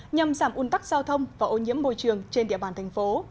nhằm giảm un tắc giao thông và ô nhiễm môi trường trên địa bàn thành phố